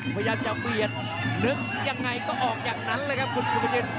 พยายามจะเบียดนึกยังไงก็ออกจากนั้นเลยครับคุณสุภกิจ